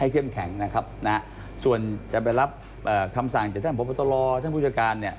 เข้มแข็งนะครับนะฮะส่วนจะไปรับคำสั่งจากท่านพบตรท่านผู้จัดการเนี่ย